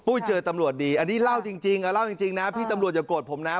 ปุ้ยเจอตำรวจดีอันนี้เล่าจริงนะพี่ตำรวจอย่าโกรธผมนะ